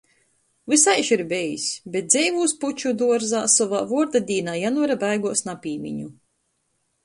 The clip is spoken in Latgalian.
Vysaiž ir bejs, bet dzeivūs puču duorzā sovā vuordadīnā janvara beiguos napīmiņu.